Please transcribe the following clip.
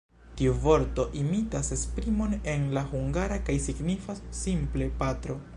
Tiu vorto imitas esprimon en la hungara, kaj signifas simple “patro”.